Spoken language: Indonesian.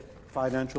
dunia dan melihat